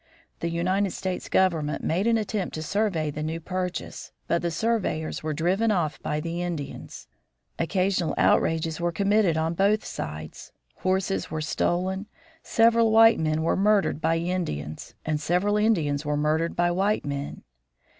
The United States government made an attempt to survey the new purchase, but the surveyors were driven off by the Indians. Occasional outrages were committed on both sides. Horses were stolen. Several white men were murdered by Indians, and several Indians were murdered by white men.